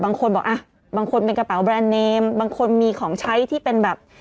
บางคนบอกอ่ะบางคนเป็นกระเป๋าแบรนดเนมบางคนมีของใช้ที่เป็นแบบ